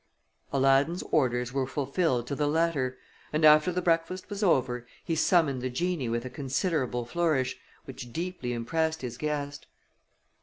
Aladdin's orders were fulfilled to the letter, and after the breakfast was over he summoned the genie with a considerable flourish, which deeply impressed his guest.